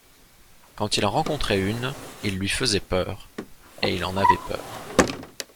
Quand il en rencontrait une, il lui faisait peur, et il en avait peur.